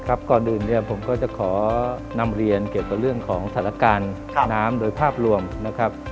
ก่อนอื่นเนี่ยผมก็จะขอนำเรียนเกี่ยวกับเรื่องของสถานการณ์น้ำโดยภาพรวมนะครับ